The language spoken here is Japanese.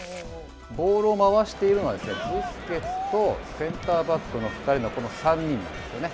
ボールを回しているのは、ブスケツとセンターバックのこの３人なんですね。